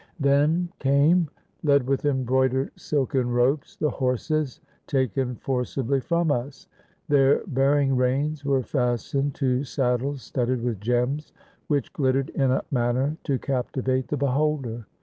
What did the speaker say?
' Then came, led with embroidered silken ropes, the horses taken forcibly from us. Their bearing reins were fastened to saddles studded with gems, which glittered in a manner to captivate the beholder.